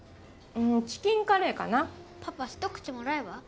うんチキンカレーかなパパ一口もらえば？